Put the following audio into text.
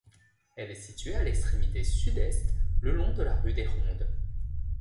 Elle est située à l'extrémité sud-est, le long de la rue des Rondes.